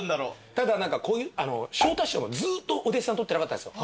ただ昇太師匠もずっとお弟子さん取ってなかったんですよ。